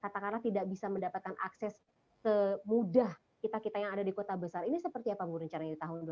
katakanlah tidak bisa mendapatkan akses semudah kita kita yang ada di kota besar ini seperti apa bu rencananya di tahun dua ribu dua